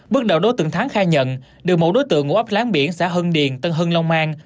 bước đầu đối tượng thắng khai nhận được một đối tượng ngụ ấp láng biển xã hưng điền tân hưng long an